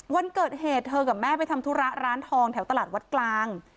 วันเกิดเหตุเธอกับแม่ไปทำธุระร้านทองแถวตลาดวัดกลาง